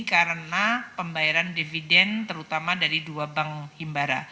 karena pembayaran dividen terutama dari dua bank himbara